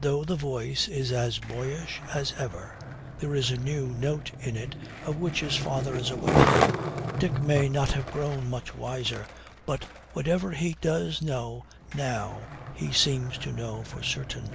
Though the voice is as boyish as ever, there is a new note in it of which his father is aware. Dick may not have grown much wiser, but whatever he does know now he seems to know for certain.